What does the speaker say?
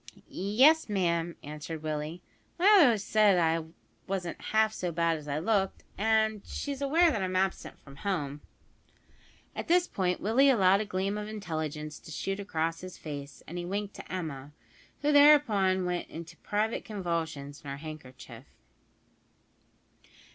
"Yes, ma'am," answered Willie, "my mother always said I wasn't half so bad as I looked; and she's aware that I'm absent from home." At this point Willie allowed a gleam of intelligence to shoot across his face, and he winked to Emma, who thereupon went into private convulsions in her handkerchief.